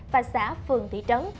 và xã phường thị trấn